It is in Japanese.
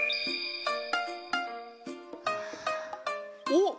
お！